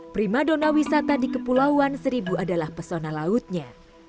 prima dona wisata di kepulauan seribu adalah pesona lautnya